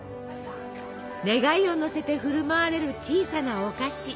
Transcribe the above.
願いを乗せて振る舞われる小さなお菓子。